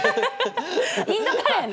インドカレーね！